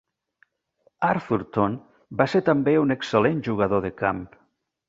Arthurton va ser també un excel·lent jugador de camp.